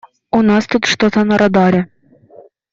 У нас тут что-то на радаре.